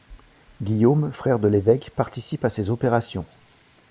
Guillaume frère de l'évêque participe à ces opérations.